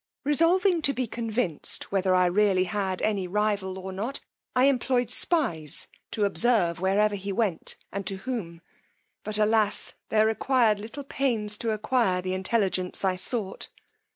Resolving to be convinced whether I really had any rival or not, I employed spies to observe where ever he went, and to whom; but alass, there required little pains to acquire the intelligence I fought.